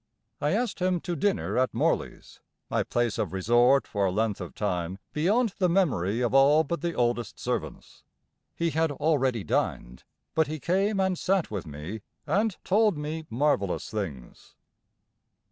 I asked him to dinner at Morley's, my place of resort for a length of time beyond the memory of all but the oldest servants. He had already dined but he came and sat with me, and told me marvellous things.